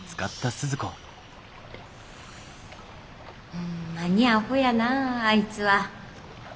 ホンマにアホやなああいつは。